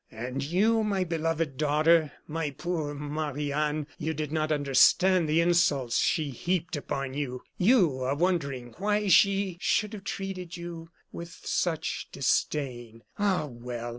"And you, my beloved daughter, my poor Marie Anne, you did not understand the insults she heaped upon you. You are wondering why she should have treated you with such disdain. Ah, well!